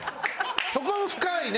そこも深いね。